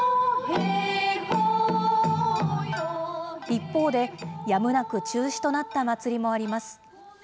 一方で、やむなく中止となった祭りもあります。